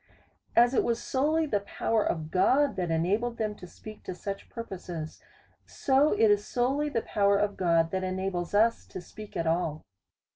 As it was solely the power of God that enabled them to speak to such purposes, so it is solely the pow er of God that enables us to speak at all.